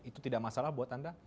itu tidak masalah buat anda